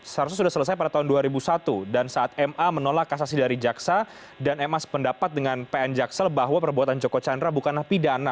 seharusnya sudah selesai pada tahun dua ribu satu dan saat ma menolak kasasi dari jaksa dan ma sependapat dengan pn jaksal bahwa perbuatan joko chandra bukanlah pidana